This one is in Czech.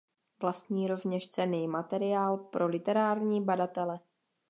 Vlastní rovněž cenný materiál pro literární badatele.